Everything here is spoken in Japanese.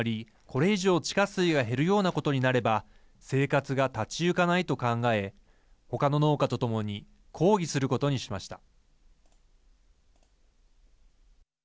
これ以上、地下水が減るようなことになれば生活が立ち行かないと考え他の農家と共に抗議することにしました。